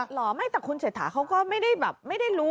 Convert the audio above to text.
เหรอไม่แต่คุณเศรษฐาเขาก็ไม่ได้แบบไม่ได้รู้